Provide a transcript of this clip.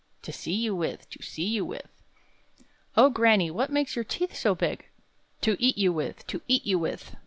"To see you with! to see you with!" "Oh, granny! what makes your teeth so big?" "To eat you with! to eat you with!"